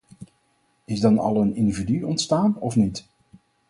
Is dan al een individu ontstaan, of niet?